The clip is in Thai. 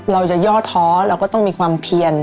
เราจะย้อธ้อเราก็ต้องมีความเพียง